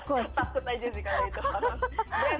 takut aja sih kalau itu horror